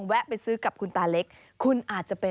สวัสดีครับสวัสดีครับ